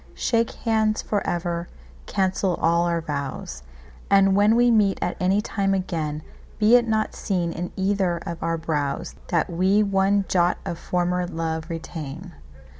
Shake hands for ever, cancel all our vows; And when we meet at any time again, Be it not seen in either of our browsThat we one jot of former love retain.